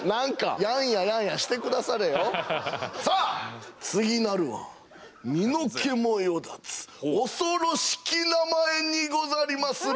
さあ次なるは身の毛もよだつ恐ろしき名前にござりまする。